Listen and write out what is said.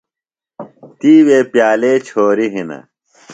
تی وے پِیالے چھوریۡ ہِنہ۔